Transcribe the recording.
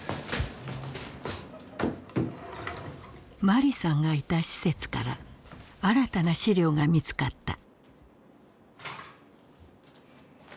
マリさんがいた施設から新たな資料が見つかった。